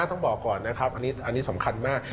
ต้องบอกก่อนนะครับอันนี้สำคัญมาก